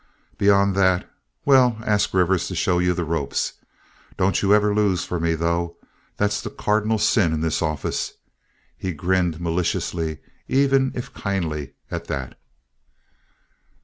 Beyond that—well, ask Rivers to show you the ropes. Don't you ever lose for me, though. That's the cardinal sin in this office." He grinned maliciously, even if kindly, at that.